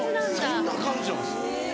そんな感じなんです。